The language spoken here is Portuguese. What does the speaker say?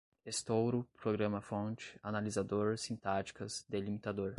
estouro, programa-fonte, analisador, sintáticas, delimitador